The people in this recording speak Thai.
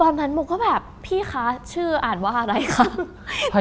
ตอนนั้นมูกก็แบบพี่ค้าอ่านว่าอะไรคะ